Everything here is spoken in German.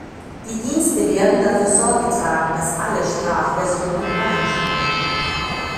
Die Dienste werden dafür Sorge tragen, dass alle Sprachversionen übereinstimmen.